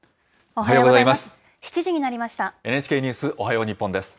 おはようございます。